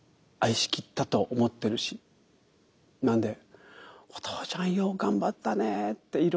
愛しきったと思ってるしなんでお父ちゃんよう頑張ったねって。